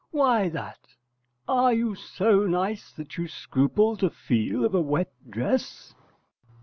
Why that? Are you so nice that you scruple to feel of a wet dress?